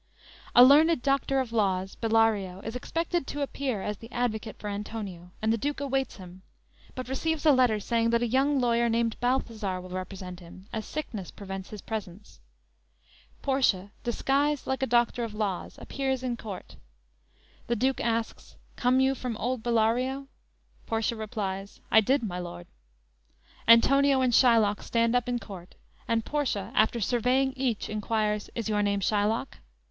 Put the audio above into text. "_ A learned doctor of laws, Bellario, is expected to appear as the advocate for Antonio, and the Duke awaits him; but receives a letter saying that a young lawyer named Balthazar will represent him, as sickness prevents his presence. Portia disguised like a doctor of laws appears in court. The Duke asks: "Come you from old Bellario?" Portia replies: "I did, my lord." Antonio and Shylock stand up in court, and Portia, after surveying each, inquires: "Is your name Shylock?"